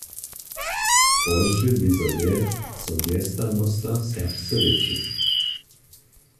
Rozdźěl wězo je, zo wjesnjanosta serbsce rěči.